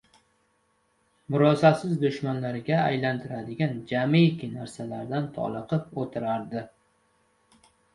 murosasiz dushmanlarga aylantiradigan jamiki narsalardan toliqib oʻtirardi.